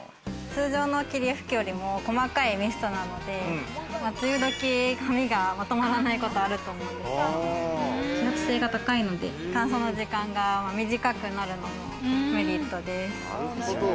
通常の霧吹きよりも細かいミストなので、梅雨どき、髪がまとまらないことあると思うんですが、揮発性が高いので乾燥の時間が短くなるのもメリットです。